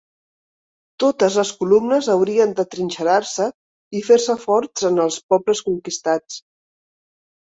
Totes les columnes haurien d'atrinxerar-se i fer-se forts en els pobles conquistats.